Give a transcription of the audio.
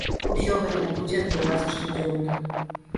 Усё гэта будзе адбывацца штодзённа.